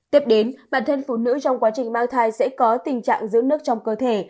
tiếp đến bản thân phụ nữ trong quá trình mang thai sẽ có tình trạng giữ nước trong cơ thể